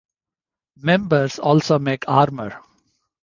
Members also make armour.